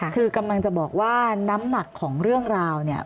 คือกำลังจะบอกว่าน้ำหนักของเรื่องราวเนี่ย